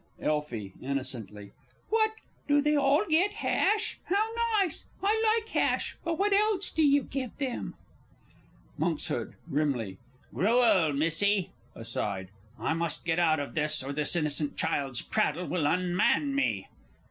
Elfie (innocently). What, do they all get hash? How nice! I like hash, but what else do you give them? Monks. (grimly). Gruel, Missie. (Aside.) I must get out of this, or this innocent child's prattle will unman me!